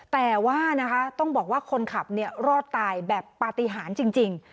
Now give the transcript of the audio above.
แต่ว่านะคะต้องบอกว่าคนขับรอดตายแบบปฏิหารจริง